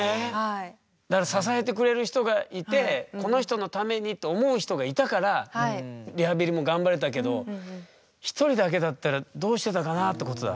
だから支えてくれる人がいてこの人のためにと思う人がいたからリハビリも頑張れたけど１人だけだったらどうしてたかなってことだ。